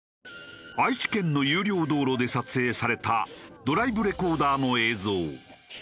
愛知県の有料道路で撮影されたドライブレコーダーの映像。